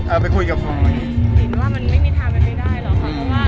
อะไรเลยคือคือการประเด็นหนึ่งค่ะก็คือเรื่องกับพี่พลอย